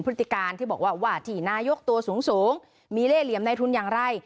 พฤติการที่บอกว่าว่าที่นายกตัวสูงมีเล่เหลี่ยมในทุนอย่างไร